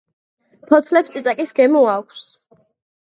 ფოთლებს წიწაკის გემო აქვს.